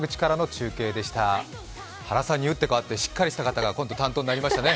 原さんに打って変わってしっかりした方が、今度担当になりましたね。